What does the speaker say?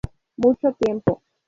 Mucho tiempo.